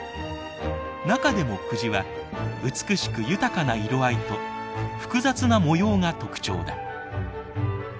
中でも久慈は美しく豊かな色合いと複雑な模様が特徴だ。